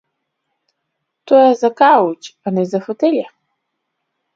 Тој е за кауч, а не за фотеља.